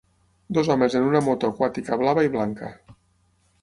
Dos homes en una moto aquàtica blava i blanca.